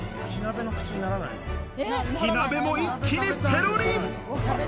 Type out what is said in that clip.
火鍋も一気にペロリ！